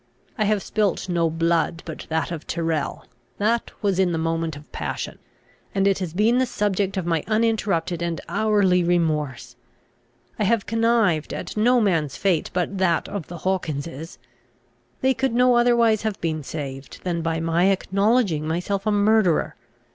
I have spilt no blood but that of Tyrrel: that was in the moment of passion; and it has been the subject of my uninterrupted and hourly remorse. I have connived at no man's fate but that of the Hawkinses: they could no otherwise have been saved, than by my acknowledging myself a murderer.